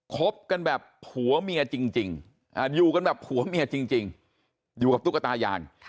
คบกันแบบผัวเมียจริงอยู่กันแบบผัวเมียจริงอยู่กับตุ๊กตายาง